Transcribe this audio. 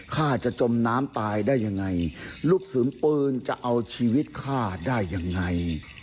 ฆ่าจะจมน้ำตายได้ยังไงลูกศูนย์ปืนจะเอาชีวิตฆ่าได้ยังไง